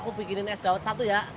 aku bikinin es dawet satu ya